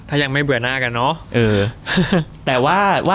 ถ้ายังไม่เบื่อหน้ากันเนอะ